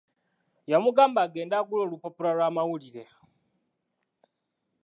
Yamugamba agende agule olupapula lw'amawulire.